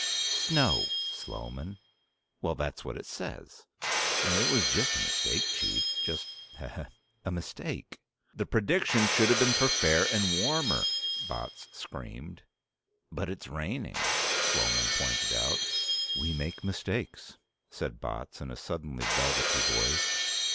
Snow, Sloman. Well, that's what it says." "It was a mistake, Chief. Just heh heh a mistake." "The prediction should have been for fair and warmer!" Botts screamed. "But it's raining," Sloman pointed out. "We make mistakes," said Botts in a suddenly velvety voice.